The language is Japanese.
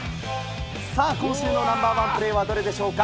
さあ、今週のナンバー１プレーはどれでしょうか。